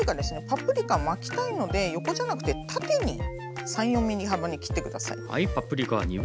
パプリカ巻きたいので横じゃなくて縦に３４ｍｍ幅に切って下さい。